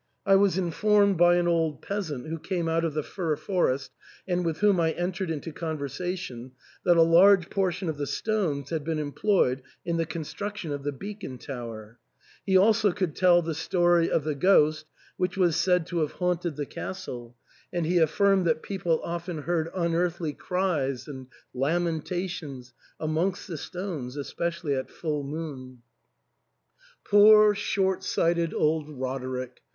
I was informed by an old peasant, who came out of the fir forest, and with whom I entered into conversation, that a large portion of the stones had been employed in the construction of the beacon tower. He also could tell the story of the ghost which was said to have haunted the castle, and he affirmed that people often heard unearthly cries and lamentations amongst the stones, especially at full moon. THE ENTAIL. 321 Poor short sighted old Roderick